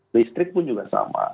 listrik pun juga sama